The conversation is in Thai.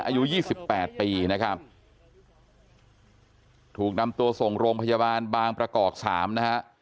อายุ๒๘ปีนะครับถูกนำตัวส่งโรงพยาบาลบางประกอบ๓นะฮะ